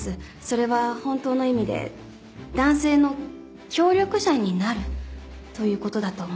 それは本当の意味で男性の協力者になるという事だと思います。